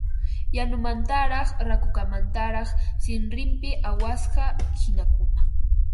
Llañumantaraq rakukamantaraq sinrinpi awasqa qinakuna